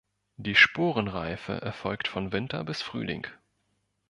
Die Sporenreife erfolgt von Winter bis Frühling.